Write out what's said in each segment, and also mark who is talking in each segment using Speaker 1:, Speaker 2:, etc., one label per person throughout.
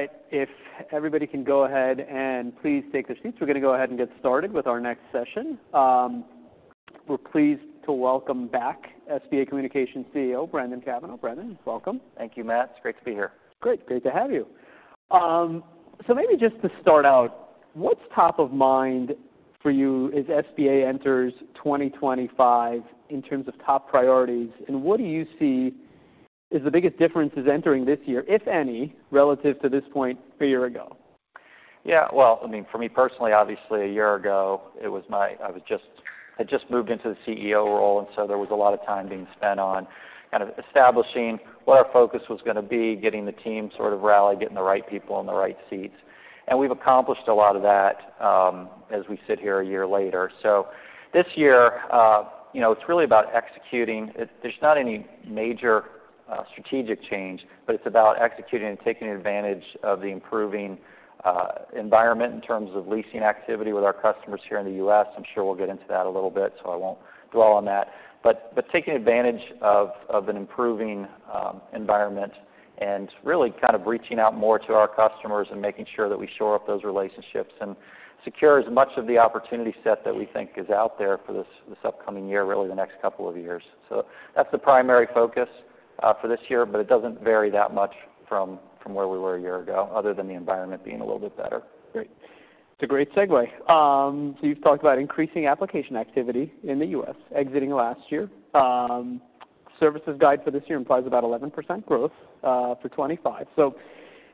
Speaker 1: All right. If everybody can go ahead and please take their seats, we're gonna go ahead and get started with our next session. We're pleased to welcome back SBA Communications CEO, Brendan Cavanagh. Brendan, welcome.
Speaker 2: Thank you, Matt. It's great to be here. Great. Great to have you. Maybe just to start out, what's top of mind for you as SBA enters 2025 in terms of top priorities, and what do you see as the biggest differences entering this year, if any, relative to this point a year ago? Yeah. I mean, for me personally, obviously a year ago it was my—I was just—I had just moved into the CEO role, and so there was a lot of time being spent on kind of establishing what our focus was gonna be, getting the team sort of rallied, getting the right people in the right seats. We have accomplished a lot of that, as we sit here a year later. This year, you know, it's really about executing. There's not any major, strategic change, but it's about executing and taking advantage of the improving environment in terms of leasing activity with our customers here in the U.S. I'm sure we'll get into that a little bit, so I won't dwell on that. Taking advantage of an improving environment and really kind of reaching out more to our customers and making sure that we shore up those relationships and secure as much of the opportunity set that we think is out there for this upcoming year, really the next couple of years. That is the primary focus for this year, but it does not vary that much from where we were a year ago other than the environment being a little bit better. Great. It's a great segue. You've talked about increasing application activity in the U.S., exiting last year. Services guidance for this year implies about 11% growth, for 2025.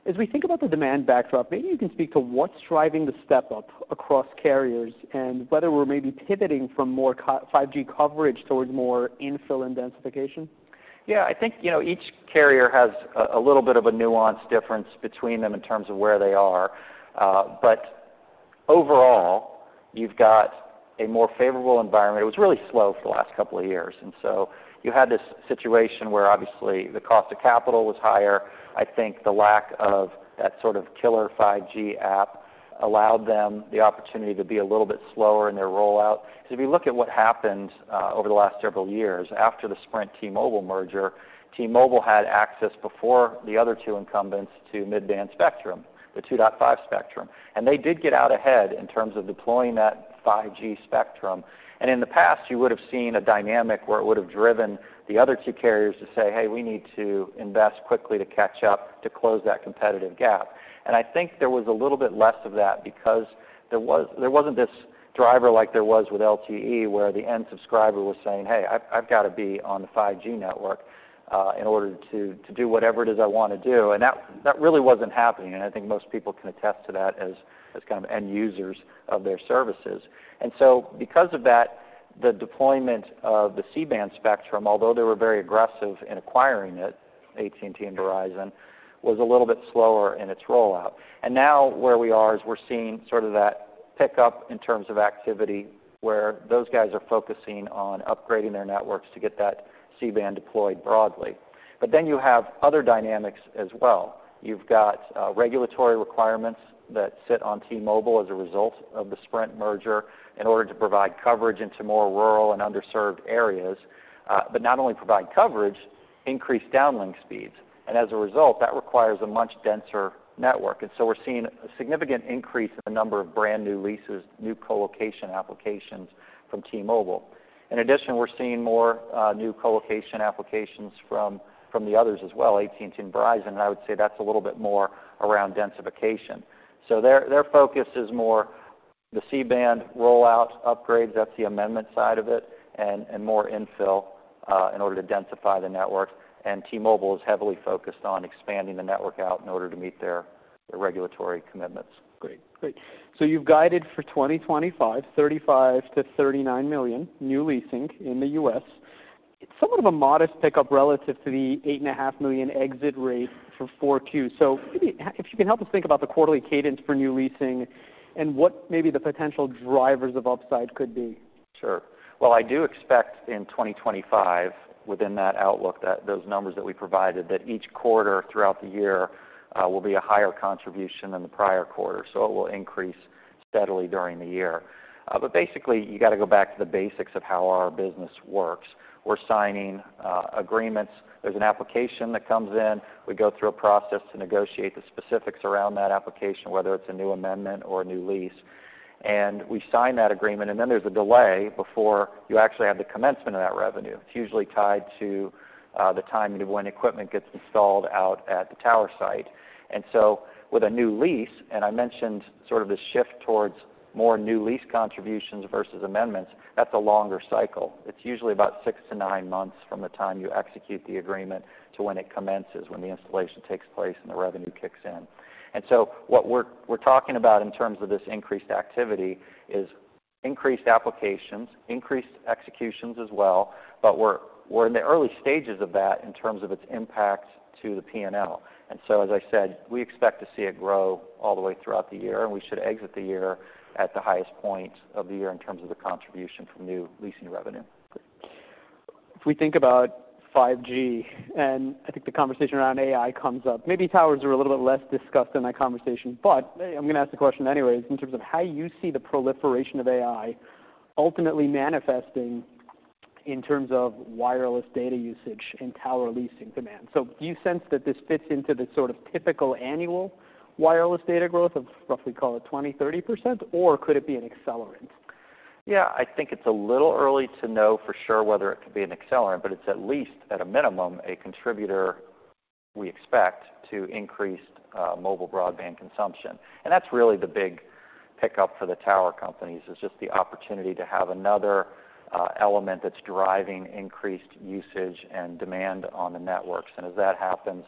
Speaker 2: As we think about the demand backdrop, maybe you can speak to what's driving the step up across carriers and whether we're maybe pivoting from more core 5G coverage towards more infill intensification? Yeah. I think, you know, each carrier has a little bit of a nuanced difference between them in terms of where they are. Overall, you've got a more favorable environment. It was really slow for the last couple of years. You had this situation where obviously the cost of capital was higher. I think the lack of that sort of killer 5G app allowed them the opportunity to be a little bit slower in their rollout. 'Cause if you look at what happened over the last several years after the Sprint T-Mobile merger, T-Mobile had access before the other two incumbents to mid-band spectrum, the 2.5 spectrum. They did get out ahead in terms of deploying that 5G spectrum. In the past, you would've seen a dynamic where it would've driven the other two carriers to say, "Hey, we need to invest quickly to catch up, to close that competitive gap." I think there was a little bit less of that because there was not this driver like there was with LTE where the end subscriber was saying, "Hey, I've, I've gotta be on the 5G network, in order to, to do whatever it is I wanna do." That really was not happening. I think most people can attest to that as kind of end users of their services. Because of that, the deployment of the C-band spectrum, although they were very aggressive in acquiring it, AT&T and Verizon, was a little bit slower in its rollout. Now where we are is we're seeing sort of that pickup in terms of activity where those guys are focusing on upgrading their networks to get that C-band deployed broadly. You have other dynamics as well. You've got regulatory requirements that sit on T-Mobile as a result of the Sprint merger in order to provide coverage into more rural and underserved areas, but not only provide coverage, increase downlink speeds. As a result, that requires a much denser network. We're seeing a significant increase in the number of brand new leases, new colocation applications from T-Mobile. In addition, we're seeing more new colocation applications from the others as well, AT&T and Verizon. I would say that's a little bit more around densification. Their focus is more the C-band rollout upgrades. That's the amendment side of it, and more infill, in order to densify the network. T-Mobile is heavily focused on expanding the network out in order to meet their regulatory commitments. Great. Great. You have guided for 2025, $35 million-$39 million new leasing in the U.S. It is somewhat of a modest pickup relative to the $8.5 million exit rate for 4Q. Maybe if you can help us think about the quarterly cadence for new leasing and what maybe the potential drivers of upside could be. Sure. I do expect in 2025, within that outlook, that those numbers that we provided, that each quarter throughout the year will be a higher contribution than the prior quarter. It will increase steadily during the year. Basically, you gotta go back to the basics of how our business works. We're signing agreements. There's an application that comes in. We go through a process to negotiate the specifics around that application, whether it's a new amendment or a new lease. We sign that agreement, and then there's a delay before you actually have the commencement of that revenue. It's usually tied to the time when equipment gets installed out at the tower site. With a new lease, and I mentioned sort of the shift towards more new lease contributions versus amendments, that's a longer cycle. It's usually about six to nine months from the time you execute the agreement to when it commences, when the installation takes place and the revenue kicks in. What we're talking about in terms of this increased activity is increased applications, increased executions as well. We're in the early stages of that in terms of its impact to the P&L. As I said, we expect to see it grow all the way throughout the year, and we should exit the year at the highest point of the year in terms of the contribution from new leasing revenue. Great. If we think about 5G, and I think the conversation around AI comes up, maybe towers are a little bit less discussed in that conversation. I'm gonna ask the question anyways in terms of how you see the proliferation of AI ultimately manifesting in terms of wireless data usage and tower leasing demand. Do you sense that this fits into the sort of typical annual wireless data growth of roughly, call it, 20%-30%, or could it be an accelerant? Yeah. I think it's a little early to know for sure whether it could be an accelerant, but it's at least at a minimum a contributor we expect to increased mobile broadband consumption. That's really the big pickup for the tower companies, just the opportunity to have another element that's driving increased usage and demand on the networks. As that happens,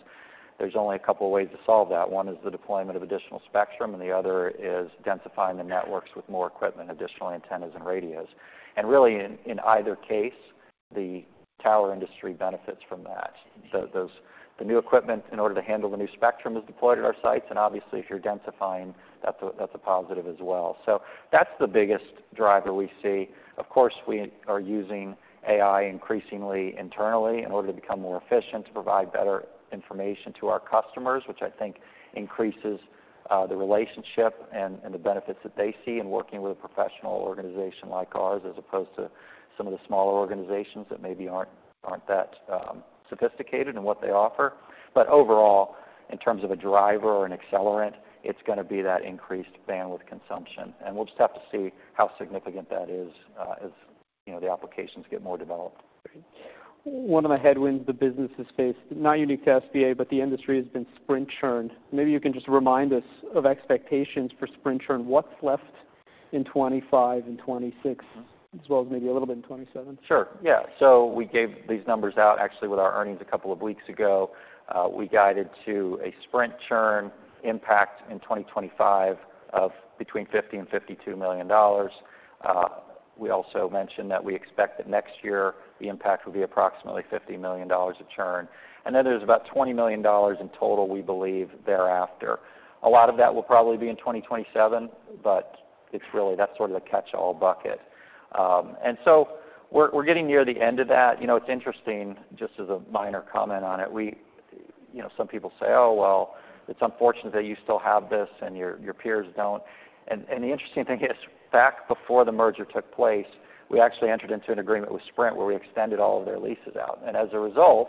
Speaker 2: there's only a couple of ways to solve that. One is the deployment of additional spectrum, and the other is densifying the networks with more equipment, additional antennas and radios. Really, in either case, the tower industry benefits from that. The new equipment in order to handle the new spectrum is deployed at our sites. Obviously, if you're densifying, that's a positive as well. That's the biggest driver we see. Of course, we are using AI increasingly internally in order to become more efficient, to provide better information to our customers, which I think increases the relationship and the benefits that they see in working with a professional organization like ours as opposed to some of the smaller organizations that maybe aren't that sophisticated in what they offer. Overall, in terms of a driver or an accelerant, it's gonna be that increased bandwidth consumption. We'll just have to see how significant that is, as you know, the applications get more developed. Great. One of the headwinds the business has faced, not unique to SBA, but the industry has been Sprint churn. Maybe you can just remind us of expectations for Sprint churn. What's left in 2025 and 2026, as well as maybe a little bit in 2027? Sure. Yeah. So we gave these numbers out actually with our earnings a couple of weeks ago. We guided to a Sprint churn impact in 2025 of between $50 million and $52 million. We also mentioned that we expect that next year the impact will be approximately $50 million of churn. And then there's about $20 million in total we believe thereafter. A lot of that will probably be in 2027, but it's really that's sort of the catch-all bucket. And so we're getting near the end of that. You know, it's interesting, just as a minor comment on it, we, you know, some people say, "Oh, well, it's unfortunate that you still have this and your peers don't." And the interesting thing is back before the merger took place, we actually entered into an agreement with Sprint where we extended all of their leases out. As a result,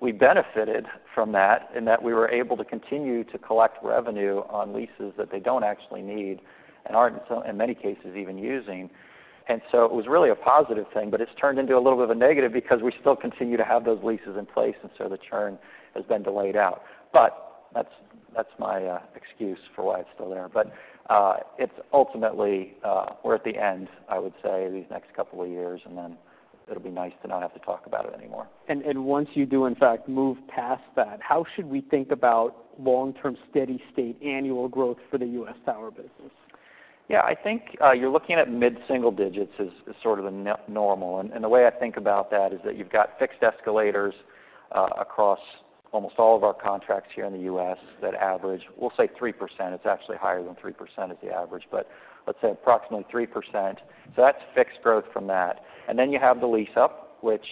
Speaker 2: we benefited from that in that we were able to continue to collect revenue on leases that they do not actually need and are not in so in many cases even using. It was really a positive thing, but it has turned into a little bit of a negative because we still continue to have those leases in place, and the churn has been delayed out. That is my excuse for why it is still there. Ultimately, we are at the end, I would say, these next couple of years, and then it will be nice to not have to talk about it anymore. Once you do, in fact, move past that, how should we think about long-term steady-state annual growth for the U.S. tower business? Yeah. I think you're looking at mid-single digits as sort of the new normal. The way I think about that is that you've got fixed escalators across almost all of our contracts here in the U.S. that average, we'll say, 3%. It's actually higher than 3% as the average, but let's say approximately 3%. That's fixed growth from that. Then you have the lease-up, which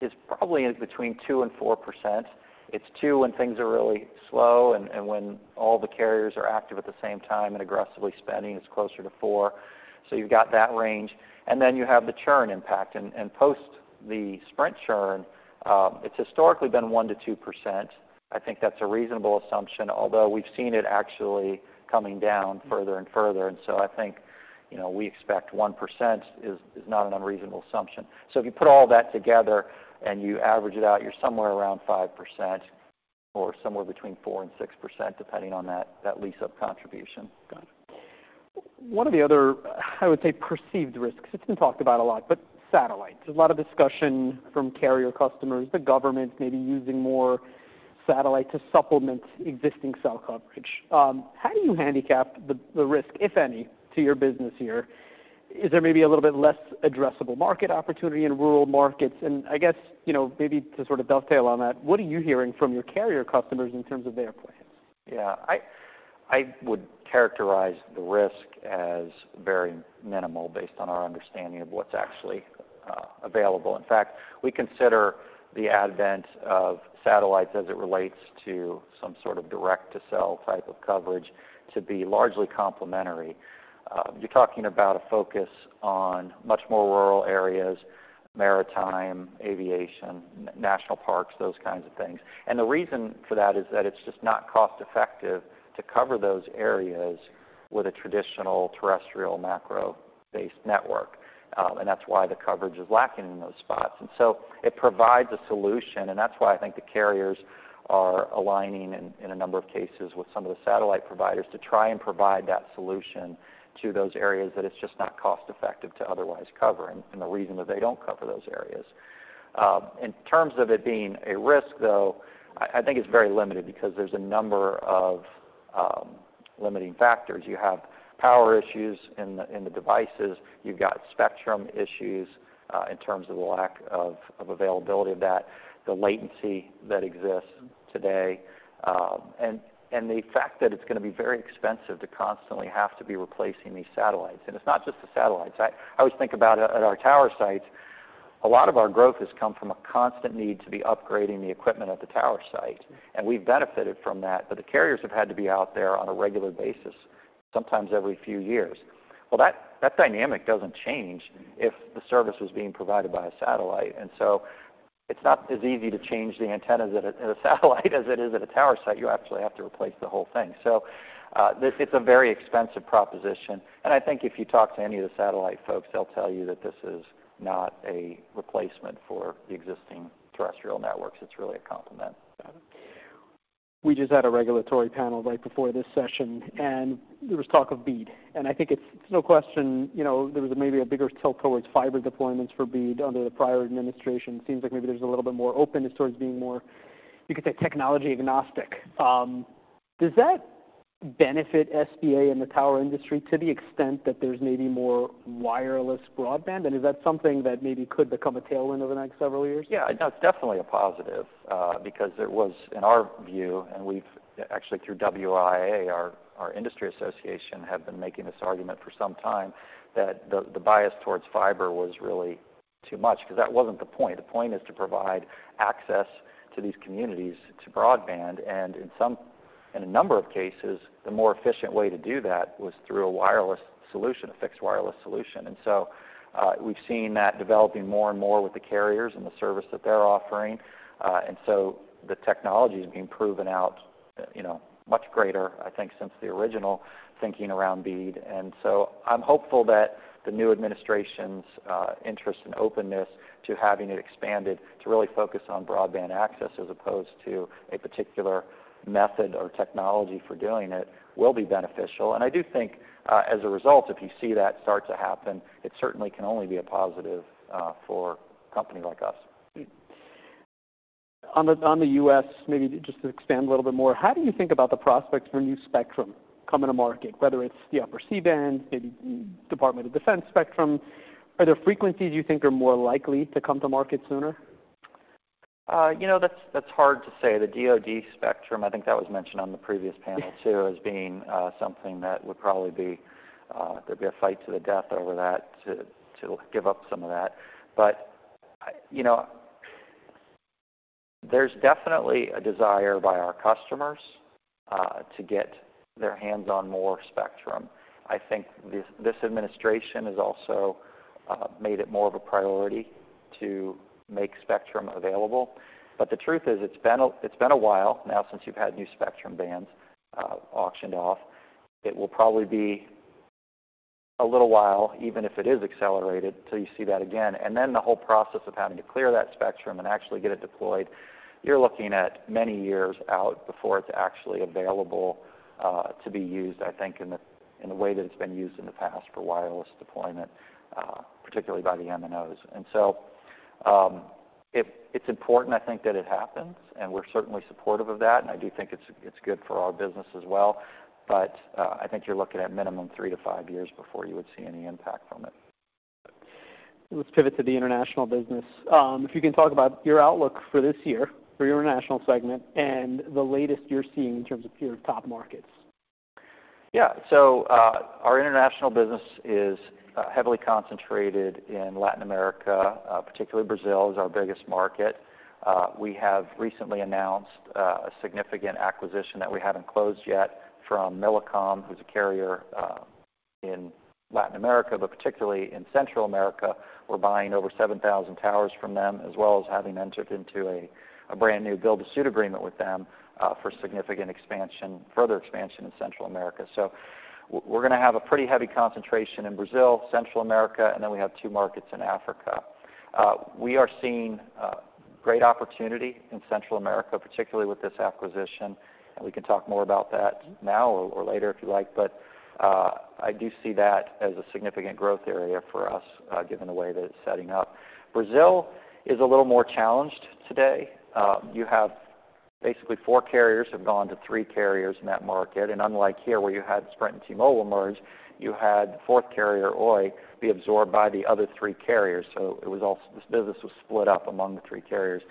Speaker 2: is probably in between 2% and 4%. It's 2% when things are really slow, and when all the carriers are active at the same time and aggressively spending, it's closer to 4%. You've got that range. Then you have the churn impact. Post the Sprint churn, it's historically been 1%-2%. I think that's a reasonable assumption, although we've seen it actually coming down further and further. I think, you know, we expect 1% is not an unreasonable assumption. If you put all that together and you average it out, you're somewhere around 5% or somewhere between 4% and 6% depending on that lease-up contribution. Got it. One of the other, I would say, perceived risks, it's been talked about a lot, but satellite. There's a lot of discussion from carrier customers, the government maybe using more satellite to supplement existing cell coverage. How do you handicap the, the risk, if any, to your business here? Is there maybe a little bit less addressable market opportunity in rural markets? And I guess, you know, maybe to sort of dovetail on that, what are you hearing from your carrier customers in terms of their plans? Yeah. I would characterize the risk as very minimal based on our understanding of what's actually available. In fact, we consider the advent of satellites as it relates to some sort of direct-to-cell type of coverage to be largely complementary. You're talking about a focus on much more rural areas, maritime, aviation, national parks, those kinds of things. The reason for that is that it's just not cost-effective to cover those areas with a traditional terrestrial macro-based network. That's why the coverage is lacking in those spots. It provides a solution, and that's why I think the carriers are aligning in a number of cases with some of the satellite providers to try and provide that solution to those areas that it's just not cost-effective to otherwise cover and the reason that they don't cover those areas. In terms of it being a risk, though, I think it's very limited because there's a number of limiting factors. You have power issues in the devices. You've got spectrum issues, in terms of the lack of availability of that, the latency that exists today, and the fact that it's gonna be very expensive to constantly have to be replacing these satellites. It's not just the satellites. I always think about at our tower sites, a lot of our growth has come from a constant need to be upgrading the equipment at the tower site. We've benefited from that, but the carriers have had to be out there on a regular basis, sometimes every few years. That dynamic doesn't change if the service was being provided by a satellite. It is not as easy to change the antennas at a satellite as it is at a tower site. You actually have to replace the whole thing. This is a very expensive proposition. I think if you talk to any of the satellite folks, they'll tell you that this is not a replacement for the existing terrestrial networks. It is really a complement. Got it. We just had a regulatory panel right before this session, and there was talk of BEAD. I think it's, it's no question, you know, there was maybe a bigger tilt towards fiber deployments for BEAD under the prior administration. Seems like maybe there's a little bit more openness towards being more, you could say, technology agnostic. Does that benefit SBA and the tower industry to the extent that there's maybe more wireless broadband? Is that something that maybe could become a tailwind over the next several years? Yeah. That's definitely a positive, because there was, in our view, and we've actually through WIA, our industry association, have been making this argument for some time that the bias towards fiber was really too much 'cause that wasn't the point. The point is to provide access to these communities to broadband. In a number of cases, the more efficient way to do that was through a wireless solution, a fixed wireless solution. We've seen that developing more and more with the carriers and the service that they're offering. The technology's been proven out, you know, much greater, I think, since the original thinking around BEAD. I'm hopeful that the new administration's interest and openness to having it expanded to really focus on broadband access as opposed to a particular method or technology for doing it will be beneficial. I do think, as a result, if you see that start to happen, it certainly can only be a positive, for a company like us. On the U.S., maybe just to expand a little bit more, how do you think about the prospects for new spectrum coming to market, whether it's, you know, for C-band, maybe Department of Defense spectrum? Are there frequencies you think are more likely to come to market sooner? You know, that's hard to say. The DoD spectrum, I think that was mentioned on the previous panel too, as being something that would probably be, there'd be a fight to the death over that to give up some of that. You know, there's definitely a desire by our customers to get their hands on more spectrum. I think this administration has also made it more of a priority to make spectrum available. The truth is it's been a while now since you've had new spectrum bands auctioned off. It will probably be a little while, even if it is accelerated, till you see that again. The whole process of having to clear that spectrum and actually get it deployed, you're looking at many years out before it's actually available to be used, I think, in the way that it's been used in the past for wireless deployment, particularly by the MNOs. It's important, I think, that it happens, and we're certainly supportive of that. I do think it's good for our business as well. I think you're looking at minimum three to five years before you would see any impact from it. Let's pivot to the international business. If you can talk about your outlook for this year, for your international segment, and the latest you're seeing in terms of your top markets. Yeah. Our international business is heavily concentrated in Latin America, particularly Brazil is our biggest market. We have recently announced a significant acquisition that we have not closed yet from Millicom, who is a carrier in Latin America, but particularly in Central America. We are buying over 7,000 towers from them, as well as having entered into a brand new build-to-suit agreement with them for significant expansion, further expansion in Central America. We are going to have a pretty heavy concentration in Brazil, Central America, and then we have two markets in Africa. We are seeing great opportunity in Central America, particularly with this acquisition. We can talk more about that now or later if you like. I do see that as a significant growth area for us, given the way that it is setting up. Brazil is a little more challenged today. You have basically four carriers have gone to three carriers in that market. Unlike here, where you had Sprint and T-Mobile merge, you had the fourth carrier, Oi, be absorbed by the other three carriers. All this business was split up among the three carriers.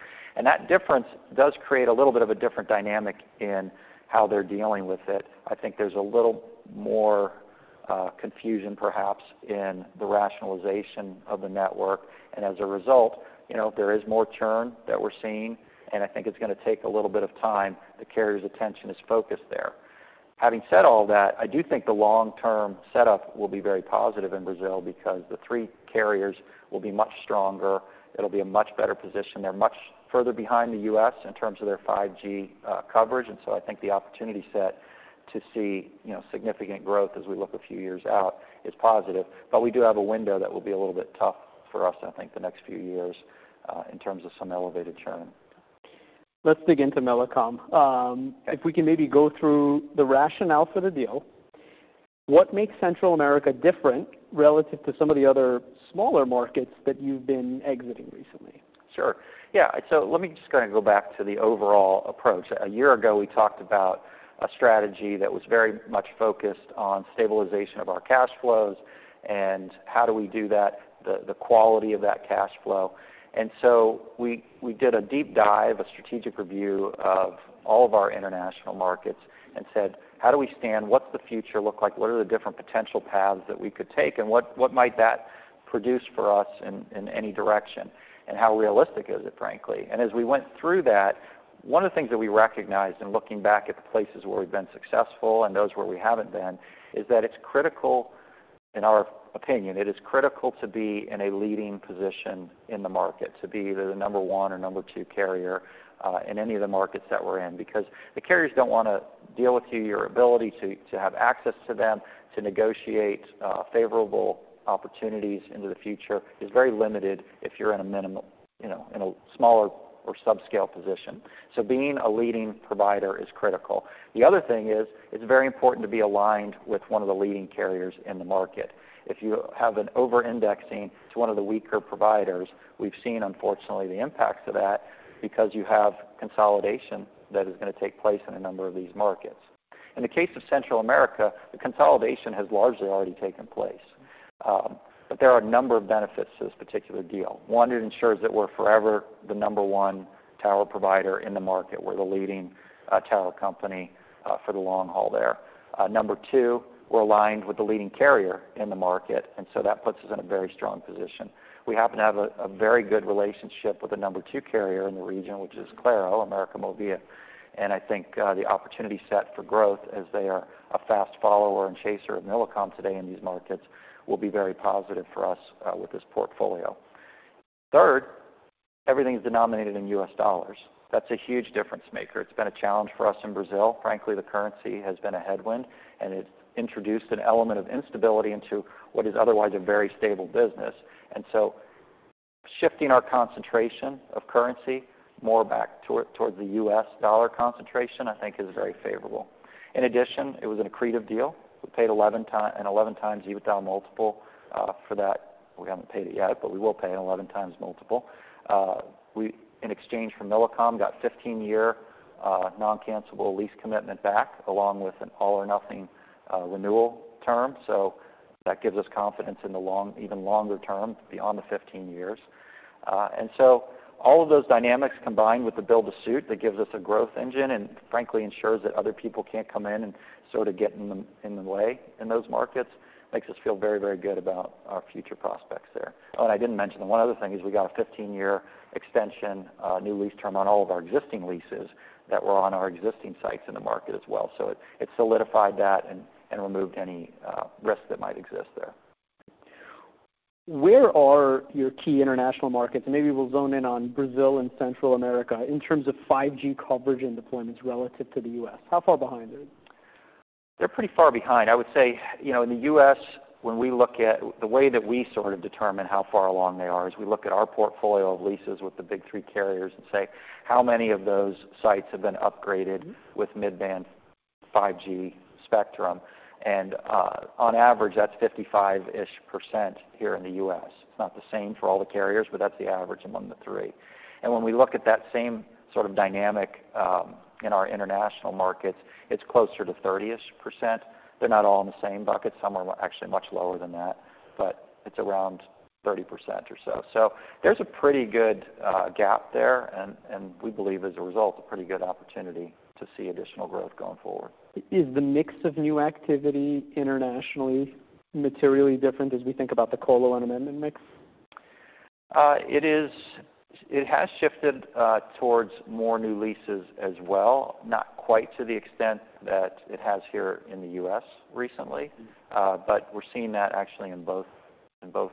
Speaker 2: That difference does create a little bit of a different dynamic in how they're dealing with it. I think there's a little more confusion, perhaps, in the rationalization of the network. As a result, you know, there is more churn that we're seeing, and I think it's gonna take a little bit of time. The carriers' attention is focused there. Having said all that, I do think the long-term setup will be very positive in Brazil because the three carriers will be much stronger. It'll be a much better position. They're much further behind the U.S. in terms of their 5G coverage. I think the opportunity set to see, you know, significant growth as we look a few years out is positive. We do have a window that will be a little bit tough for us, I think, the next few years, in terms of some elevated churn. Let's dig into Millicom. If we can maybe go through the rationale for the deal, what makes Central America different relative to some of the other smaller markets that you've been exiting recently? Sure. Yeah. Let me just kinda go back to the overall approach. A year ago, we talked about a strategy that was very much focused on stabilization of our cash flows and how do we do that, the quality of that cash flow. We did a deep dive, a strategic review of all of our international markets and said, "How do we stand? What's the future look like? What are the different potential paths that we could take? And what might that produce for us in any direction? How realistic is it, frankly? As we went through that, one of the things that we recognized in looking back at the places where we've been successful and those where we haven't been is that it's critical, in our opinion, it is critical to be in a leading position in the market, to be either the number one or number two carrier in any of the markets that we're in because the carriers don't want to deal with you. Your ability to have access to them, to negotiate favorable opportunities into the future is very limited if you're in a minimal, you know, in a smaller or subscale position. Being a leading provider is critical. The other thing is it's very important to be aligned with one of the leading carriers in the market. If you have an over-indexing to one of the weaker providers, we've seen, unfortunately, the impacts of that because you have consolidation that is gonna take place in a number of these markets. In the case of Central America, the consolidation has largely already taken place. There are a number of benefits to this particular deal. One, it ensures that we're forever the number one tower provider in the market. We're the leading tower company for the long haul there. Number two, we're aligned with the leading carrier in the market, and so that puts us in a very strong position. We happen to have a very good relationship with the number two carrier in the region, which is Claro, América Móvil. I think the opportunity set for growth as they are a fast follower and chaser of Millicom today in these markets will be very positive for us, with this portfolio. Third, everything's denominated in U.S. dollars. That's a huge difference maker. It's been a challenge for us in Brazil. Frankly, the currency has been a headwind, and it's introduced an element of instability into what is otherwise a very stable business. Shifting our concentration of currency more back toward the US dollar concentration, I think, is very favorable. In addition, it was an accretive deal. We paid 11x, an 11x EBITDA multiple, for that. We haven't paid it yet, but we will pay an 11x multiple. We, in exchange for Millicom, got a 15-year, non-cancelable lease commitment back along with an all-or-nothing renewal term. That gives us confidence in the long, even longer term beyond the 15 years. All of those dynamics combined with the build-to-suit that gives us a growth engine and, frankly, ensures that other people can't come in and sort of get in the way in those markets makes us feel very, very good about our future prospects there. Oh, I didn't mention the one other thing is we got a 15-year extension, new lease term on all of our existing leases that were on our existing sites in the market as well. It solidified that and removed any risks that might exist there. Where are your key international markets? Maybe we'll zone in on Brazil and Central America in terms of 5G coverage and deployments relative to the U.S. How far behind are they? They're pretty far behind. I would say, you know, in the U.S., when we look at the way that we sort of determine how far along they are is we look at our portfolio of leases with the big three carriers and say, "How many of those sites have been upgraded with mid-band 5G spectrum?" On average, that's 55% here in the U.S. It's not the same for all the carriers, but that's the average among the three. When we look at that same sort of dynamic in our international markets, it's closer to 30%. They're not all in the same bucket. Some are actually much lower than that, but it's around 30% or so. There's a pretty good gap there, and we believe, as a result, a pretty good opportunity to see additional growth going forward. Is the mix of new activity internationally materially different as we think about the colo and amendment mix? It is. It has shifted towards more new leases as well, not quite to the extent that it has here in the U.S. recently. But we're seeing that actually in both, in both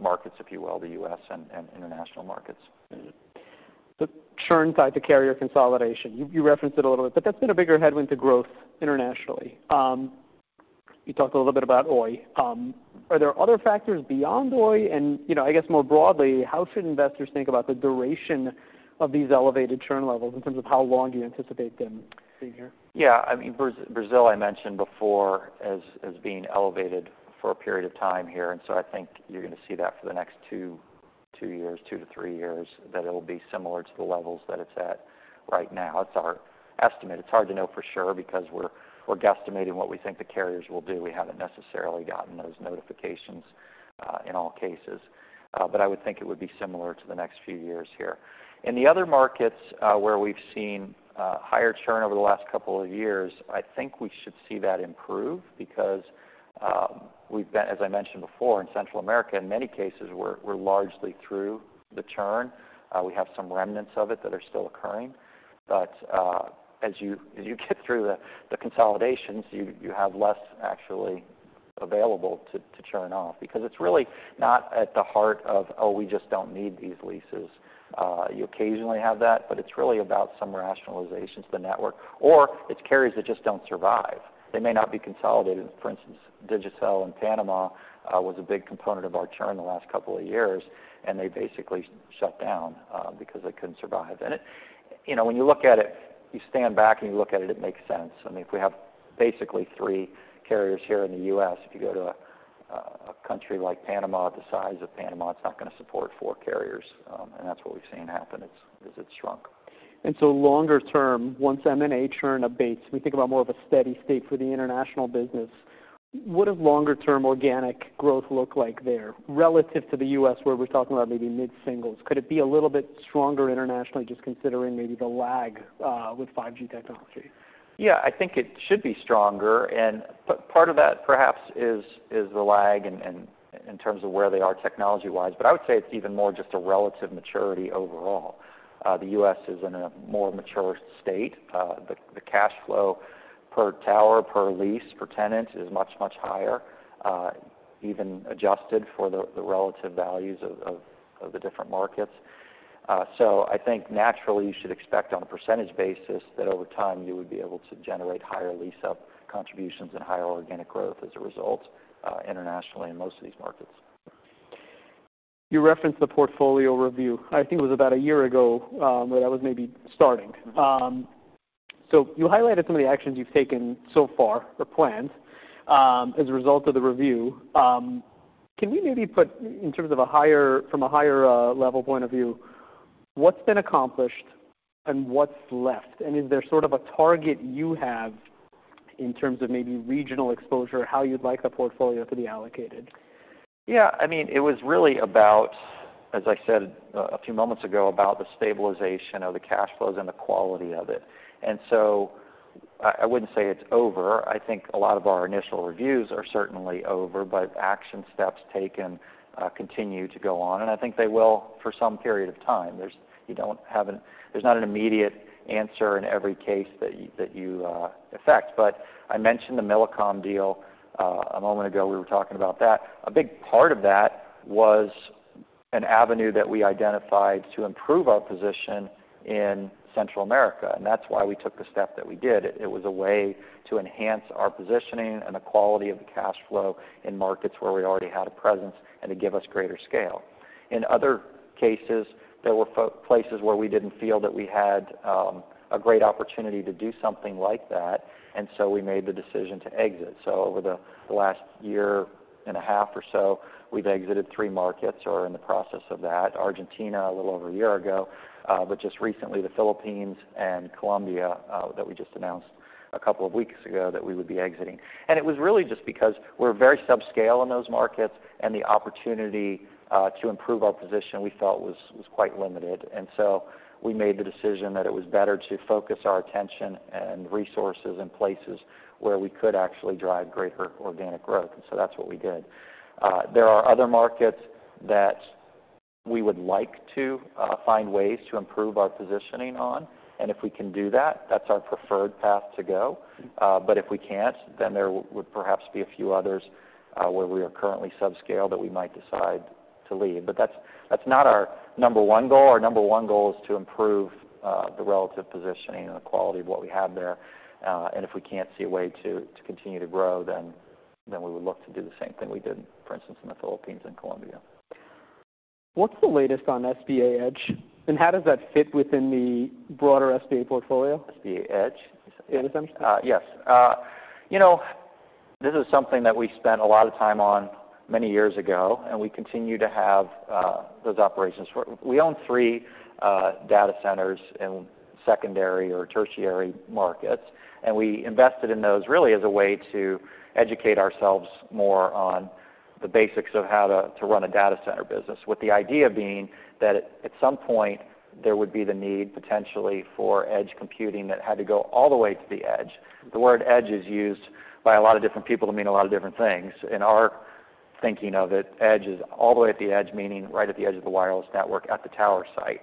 Speaker 2: markets, if you will, the U.S. and International markets. The churn by the carrier consolidation, you referenced it a little bit, but that's been a bigger headwind to growth internationally. You talked a little bit about Oi. Are there other factors beyond Oi? And, you know, I guess more broadly, how should investors think about the duration of these elevated churn levels in terms of how long do you anticipate them being here? Yeah. I mean, Brazil, I mentioned before as being elevated for a period of time here. I think you're gonna see that for the next two, two years, two to three years, that it'll be similar to the levels that it's at right now. That's our estimate. It's hard to know for sure because we're guesstimating what we think the carriers will do. We haven't necessarily gotten those notifications, in all cases. I would think it would be similar to the next few years here. In the other markets, where we've seen higher churn over the last couple of years, I think we should see that improve because, we've been, as I mentioned before, in Central America, in many cases, we're largely through the churn. We have some remnants of it that are still occurring. As you get through the consolidations, you have less actually available to churn off because it's really not at the heart of, "Oh, we just don't need these leases." You occasionally have that, but it's really about some rationalizations of the network or it's carriers that just don't survive. They may not be consolidated. For instance, Digicel in Panama was a big component of our churn the last couple of years, and they basically shut down because they couldn't survive. And it, you know, when you look at it, you stand back and you look at it, it makes sense. I mean, if we have basically three carriers here in the U.S., if you go to a country like Panama, the size of Panama, it's not gonna support four carriers. And that's what we've seen happen. It's shrunk. Longer term, once M&A churn abates, we think about more of a steady state for the international business. What does longer-term organic growth look like there relative to the U.S. where we're talking about maybe mid-singles? Could it be a little bit stronger internationally, just considering maybe the lag, with 5G technology? Yeah. I think it should be stronger. And part of that perhaps is the lag in terms of where they are technology-wise. But I would say it's even more just a relative maturity overall. The U.S. is in a more mature state. The cash flow per tower, per lease, per tenant is much, much higher, even adjusted for the relative values of the different markets. I think naturally you should expect on a percentage basis that over time you would be able to generate higher lease-up contributions and higher organic growth as a result, internationally in most of these markets. You referenced the portfolio review. I think it was about a year ago, where that was maybe starting. You highlighted some of the actions you've taken so far or planned, as a result of the review. Can we maybe put in terms of a higher, from a higher, level point of view, what's been accomplished and what's left? Is there sort of a target you have in terms of maybe regional exposure, how you'd like the portfolio to be allocated? Yeah. I mean, it was really about, as I said a few moments ago, about the stabilization of the cash flows and the quality of it. I wouldn't say it's over. I think a lot of our initial reviews are certainly over, but action steps taken continue to go on. I think they will for some period of time. You don't have an, there's not an immediate answer in every case that you affect. I mentioned the Millicom deal a moment ago. We were talking about that. A big part of that was an avenue that we identified to improve our position in Central America. That's why we took the step that we did. It was a way to enhance our positioning and the quality of the cash flow in markets where we already had a presence and to give us greater scale. In other cases, there were places where we did not feel that we had a great opportunity to do something like that. We made the decision to exit. Over the last year and a half or so, we have exited three markets or are in the process of that: Argentina, a little over a year ago, but just recently the Philippines and Colombia, that we just announced a couple of weeks ago that we would be exiting. It was really just because we are very subscale in those markets and the opportunity to improve our position we felt was quite limited. We made the decision that it was better to focus our attention and resources in places where we could actually drive greater organic growth. That is what we did. There are other markets that we would like to find ways to improve our positioning on. If we can do that, that is our preferred path to go. If we cannot, then there would perhaps be a few others where we are currently subscale that we might decide to leave. That is not our number one goal. Our number one goal is to improve the relative positioning and the quality of what we have there. If we cannot see a way to continue to grow, then we would look to do the same thing we did, for instance, in the Philippines and Colombia. What's the latest on SBA Edge? How does that fit within the broader SBA portfolio? SBA Edge? Yeah. Yes. You know, this is something that we spent a lot of time on many years ago, and we continue to have those operations. We own three data centers in secondary or tertiary markets. We invested in those really as a way to educate ourselves more on the basics of how to run a data center business, with the idea being that at some point there would be the need potentially for edge computing that had to go all the way to the edge. The word edge is used by a lot of different people to mean a lot of different things. In our thinking of it, edge is all the way at the edge, meaning right at the edge of the wireless network at the tower site.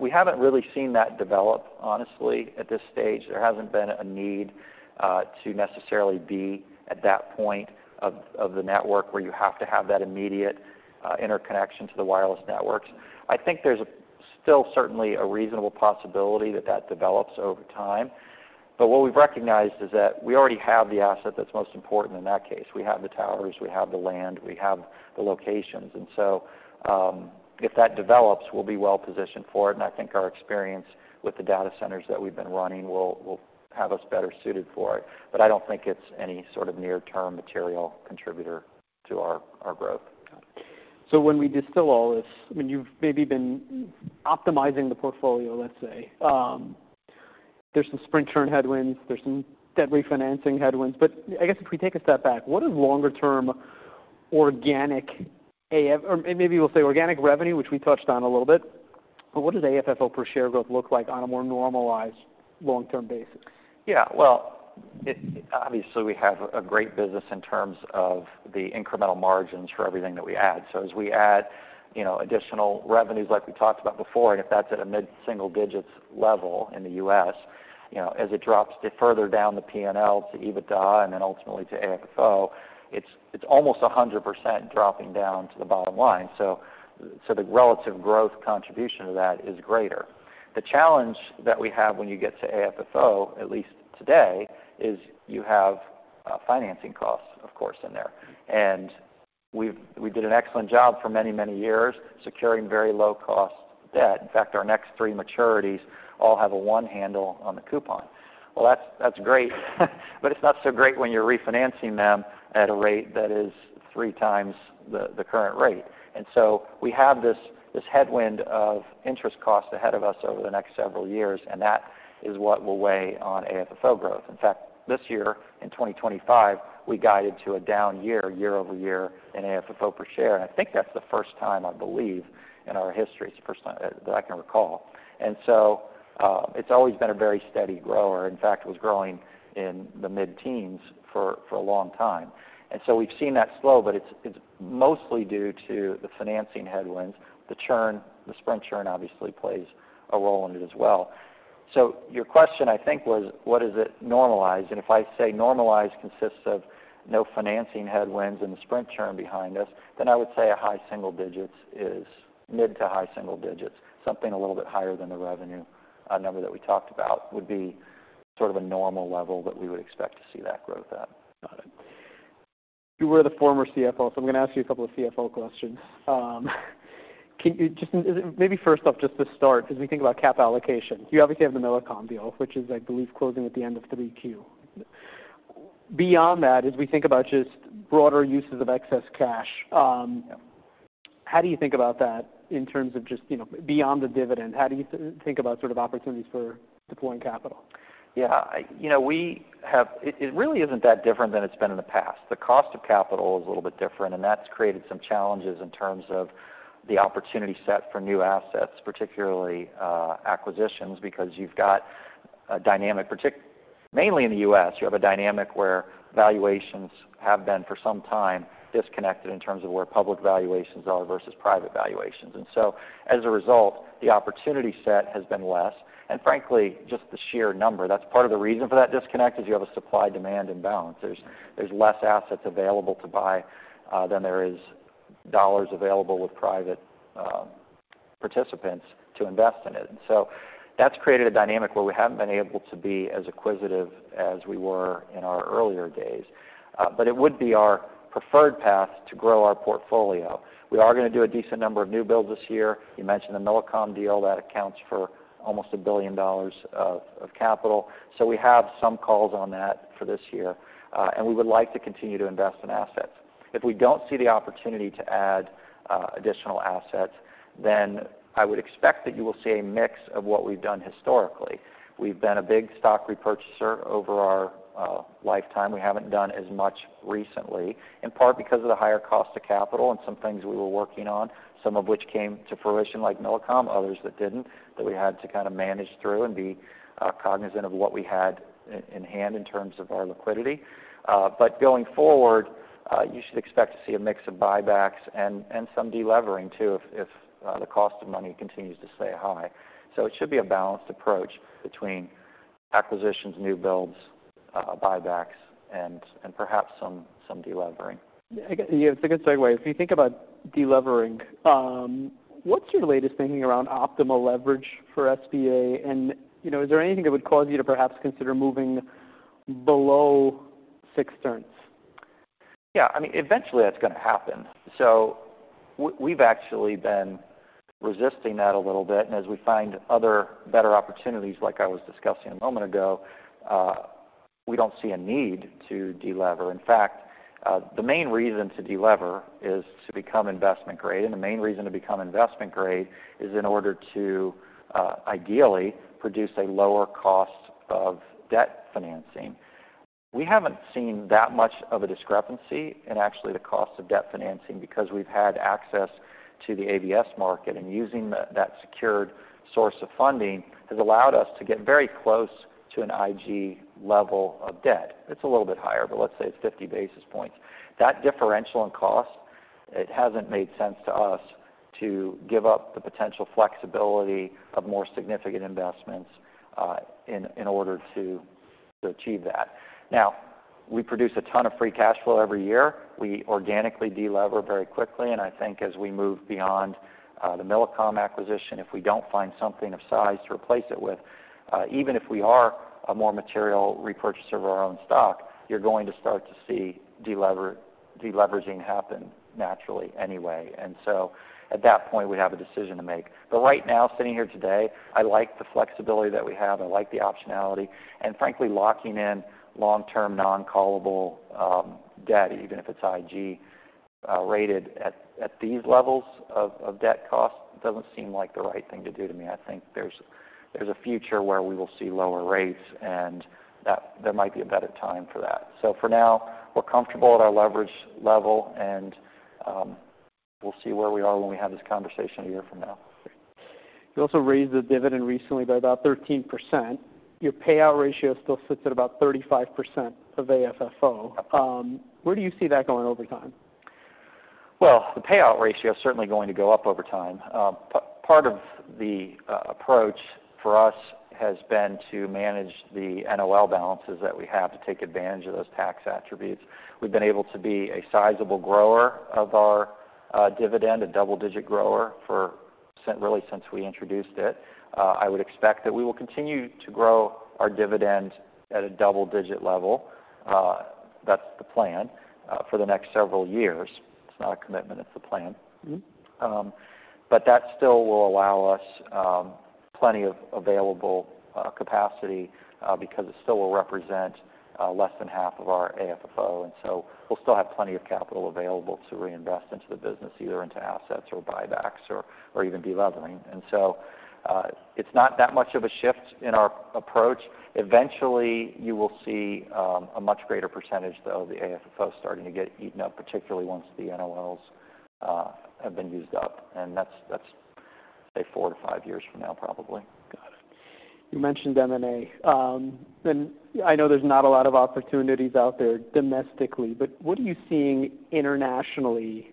Speaker 2: We haven't really seen that develop, honestly, at this stage. There hasn't been a need to necessarily be at that point of the network where you have to have that immediate interconnection to the wireless networks. I think there's still certainly a reasonable possibility that that develops over time. What we've recognized is that we already have the asset that's most important in that case. We have the towers, we have the land, we have the locations. If that develops, we'll be well positioned for it. I think our experience with the data centers that we've been running will have us better suited for it. I don't think it's any sort of near-term material contributor to our growth. When we distill all this, I mean, you've maybe been optimizing the portfolio, let's say, there's some Sprint churn headwinds, there's some debt refinancing headwinds. I guess if we take a step back, what is longer-term organic AFFO or maybe we'll say organic revenue, which we touched on a little bit, but what does AFFO per share growth look like on a more normalized long-term basis? Yeah. It obviously we have a great business in terms of the incremental margins for everything that we add. As we add, you know, additional revenues like we talked about before, and if that's at a mid-single digits level in the U.S., you know, as it drops further down the P&L to EBITDA and then ultimately to AFFO, it's almost 100% dropping down to the bottom line. The relative growth contribution to that is greater. The challenge that we have when you get to AFFO, at least today, is you have financing costs, of course, in there. We've, we did an excellent job for many, many years securing very low-cost debt. In fact, our next three maturities all have a one handle on the coupon. That's great, but it's not so great when you're refinancing them at a rate that is 3x the current rate. We have this headwind of interest costs ahead of us over the next several years, and that is what will weigh on AFFO growth. In fact, this year in 2025, we guided to a down year year-over-year in AFFO per share. I think that's the first time, I believe, in our history, it's the first time that I can recall. It's always been a very steady grower. In fact, it was growing in the mid-teens for a long time. We've seen that slow, but it's mostly due to the financing headwinds. The churn, the Sprint churn obviously plays a role in it as well. Your question, I think, was, what does it normalize? If I say normalize consists of no financing headwinds and the Sprint churn behind us, then I would say a high single digits is mid to high single digits. Something a little bit higher than the revenue number that we talked about would be sort of a normal level that we would expect to see that growth at. Got it. You were the former CFO, so I'm gonna ask you a couple of CFO questions. Can you just, is it maybe first off, just to start, as we think about cap allocation, you obviously have the Millicom deal, which is, I believe, closing at the end of 3Q. Beyond that, as we think about just broader uses of excess cash, how do you think about that in terms of just, you know, beyond the dividend? How do you think about sort of opportunities for deploying capital? Yeah. I, you know, we have, it really isn't that different than it's been in the past. The cost of capital is a little bit different, and that's created some challenges in terms of the opportunity set for new assets, particularly, acquisitions, because you've got a dynamic, particularly mainly in the U.S., you have a dynamic where valuations have been for some time disconnected in terms of where public valuations are versus private valuations. As a result, the opportunity set has been less. Frankly, just the sheer number, that's part of the reason for that disconnect is you have a supply-demand imbalance. There's less assets available to buy than there is dollars available with private participants to invest in it. That has created a dynamic where we haven't been able to be as acquisitive as we were in our earlier days. It would be our preferred path to grow our portfolio. We are gonna do a decent number of new builds this year. You mentioned the Millicom deal that accounts for almost $1 billion of capital. We have some calls on that for this year, and we would like to continue to invest in assets. If we do not see the opportunity to add additional assets, then I would expect that you will see a mix of what we have done historically. We have been a big stock repurchaser over our lifetime. We have not done as much recently, in part because of the higher cost of capital and some things we were working on, some of which came to fruition like Millicom, others that did not, that we had to kind of manage through and be cognizant of what we had in hand in terms of our liquidity. Going forward, you should expect to see a mix of buybacks and some delevering too if the cost of money continues to stay high. It should be a balanced approach between acquisitions, new builds, buybacks, and perhaps some delevering. I guess, yeah, it's a good segue. If you think about delevering, what's your latest thinking around optimal leverage for SBA? You know, is there anything that would cause you to perhaps consider moving below six turns? Yeah. I mean, eventually that's gonna happen. We have actually been resisting that a little bit. As we find other better opportunities, like I was discussing a moment ago, we do not see a need to delever. In fact, the main reason to delever is to become investment grade. The main reason to become investment grade is in order to ideally produce a lower cost of debt financing. We have not seen that much of a discrepancy in actually the cost of debt financing because we have had access to the ABS market. Using that secured source of funding has allowed us to get very close to an IG level of debt. It is a little bit higher, but let's say it is 50 basis points. That differential in cost, it has not made sense to us to give up the potential flexibility of more significant investments, in order to achieve that. Now, we produce a ton of free cash flow every year. We organically delever very quickly. I think as we move beyond the Millicom acquisition, if we do not find something of size to replace it with, even if we are a more material repurchaser of our own stock, you are going to start to see deleveraging happen naturally anyway. At that point, we have a decision to make. Right now, sitting here today, I like the flexibility that we have. I like the optionality. Frankly, locking in long-term non-callable debt, even if it is IG rated at these levels of debt cost, does not seem like the right thing to do to me. I think there's a future where we will see lower rates and that there might be a better time for that. For now, we're comfortable at our leverage level and we'll see where we are when we have this conversation a year from now. You also raised the dividend recently by about 13%. Your payout ratio still sits at about 35% of AFFO. Where do you see that going over time? The payout ratio is certainly going to go up over time. Part of the approach for us has been to manage the NOL balances that we have to take advantage of those tax attributes. We've been able to be a sizable grower of our dividend, a double-digit grower for really since we introduced it. I would expect that we will continue to grow our dividend at a double-digit level. That's the plan for the next several years. It's not a commitment, it's a plan. That still will allow us plenty of available capacity, because it still will represent less than half of our AFFO. We will still have plenty of capital available to reinvest into the business, either into assets or buybacks or even delevering. It is not that much of a shift in our approach. Eventually, you will see a much greater percentage of the AFFO starting to get eaten up, particularly once the NOLs have been used up. That is, say, four to five years from now probably. Got it. You mentioned M&A. I know there's not a lot of opportunities out there domestically, but what are you seeing internationally,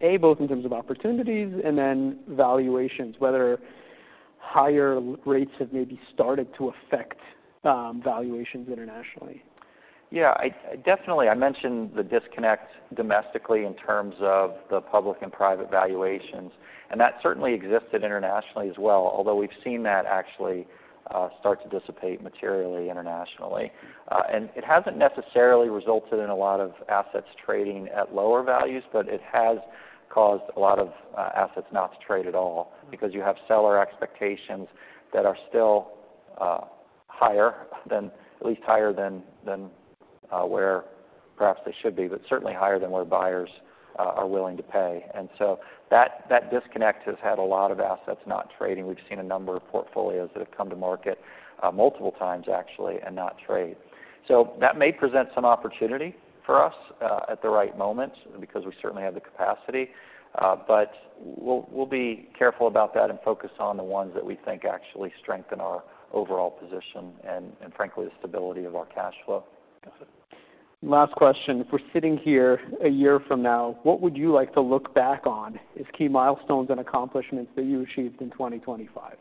Speaker 2: A, both in terms of opportunities and then valuations, whether higher rates have maybe started to affect valuations internationally? Yeah. I definitely, I mentioned the disconnect domestically in terms of the public and private valuations. That certainly exists internationally as well, although we've seen that actually start to dissipate materially internationally. It hasn't necessarily resulted in a lot of assets trading at lower values, but it has caused a lot of assets not to trade at all because you have seller expectations that are still higher than, at least higher than, where perhaps they should be, but certainly higher than where buyers are willing to pay. That disconnect has had a lot of assets not trading. We've seen a number of portfolios that have come to market multiple times actually and not trade. That may present some opportunity for us at the right moment because we certainly have the capacity. We'll be careful about that and focus on the ones that we think actually strengthen our overall position and, frankly, the stability of our cash flow. Got it. Last question. If we're sitting here a year from now, what would you like to look back on as key milestones and accomplishments that you achieved in 2025?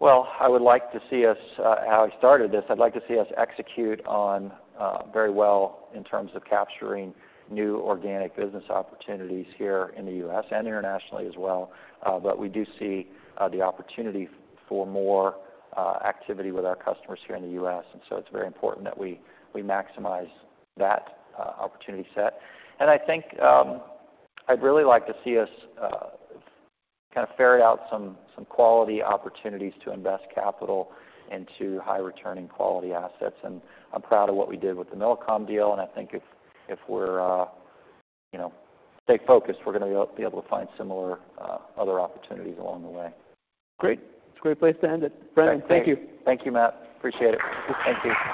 Speaker 2: I would like to see us, how I started this, I'd like to see us execute on, very well in terms of capturing new organic business opportunities here in the U.S. and internationally as well. We do see the opportunity for more activity with our customers here in the U.S. It is very important that we maximize that opportunity set. I think I'd really like to see us kind of ferret out some quality opportunities to invest capital into high-returning quality assets. I'm proud of what we did with the Millicom deal. I think if we're, you know, stay focused, we're gonna be able to find similar, other opportunities along the way. Great. It's a great place to end it. Brendan, thank you. Thank you, Matt. Appreciate it. Thank you.